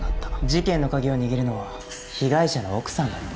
事件の鍵を握るのは被害者の奥さんだよ。